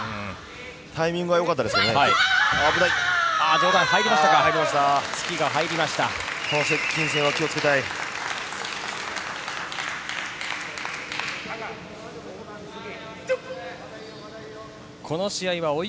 タイミングはよかったですけどね、危ない。